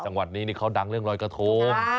จังหวัดนี้เขาดังเรื่องรอยกระทง